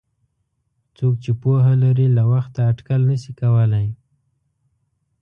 څوک چې پوهه لري له وخته اټکل نشي کولای.